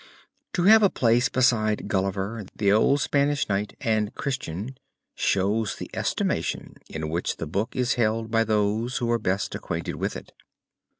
To have a place beside Gulliver, the old Spanish Knight and Christian, shows the estimation in which the book is held by those who are best acquainted with it.